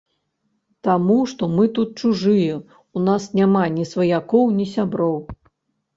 Таму што мы тут чужыя, у нас няма ні сваякоў, ні сяброў.